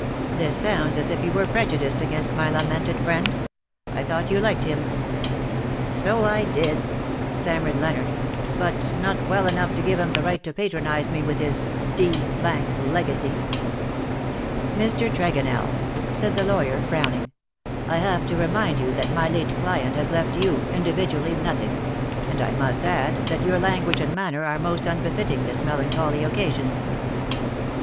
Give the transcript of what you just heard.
'^" This sounds as if you were prejudiced against my lamented friend. I thought you liked him." '' So I did/' stammered Leonard, '' but not well ''dust to dust." 73 enough to give him the right to patronise me with his d — d legacy/' " Mr. Tregonell/' said the lawyer, frowning, " T have to remind you that my late client has left you, individually, nothing — and I must add, that your language and manner are most unbefitting this melancholy occasion.